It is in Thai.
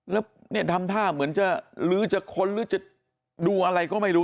แล้วเนี่ยทำท่าเหมือนจะลื้อจะค้นหรือจะดูอะไรก็ไม่รู้